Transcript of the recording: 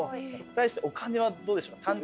対してお金はどうでしょう？